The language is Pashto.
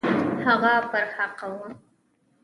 هغه پر حقه وو.